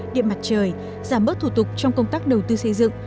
điện mặt trời giảm bớt thủ tục trong công tác đầu tư xây dựng